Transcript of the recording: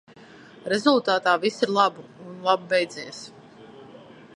Rezultātā viss ir labi un labi beidzies.